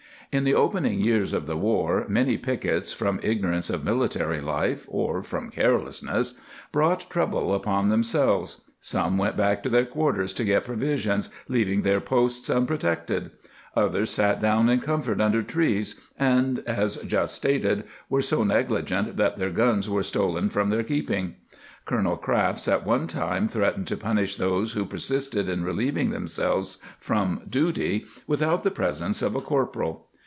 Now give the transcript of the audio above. ^ In the opening years of the war many pickets, from ignorance of military life or from careless ness, brought trouble upon themselves; some went back to their quarters to get provisions, leaving their posts unprotected,^ others sat down in comfort under trees, and, as just stated, were so negligent that their guns were stolen from their keeping.* Colonel Crafts at one time threat ened to punish those who persisted in relieving themselves from duty without the presence of a corporal.